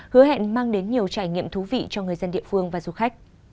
hứa hẹn mang đến nhiều trải nghiệm thú vị cho người dân địa phương và du khách